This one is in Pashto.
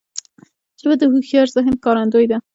ژبه د هوښیار ذهن ښکارندوی ده